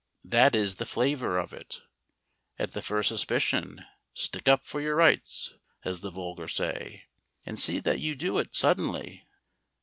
That is the flavour of it. At the first suspicion, "stick up for your rights," as the vulgar say. And see that you do it suddenly.